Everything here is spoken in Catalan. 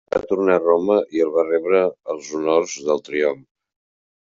Va tornar a Roma el i va rebre els honors del triomf.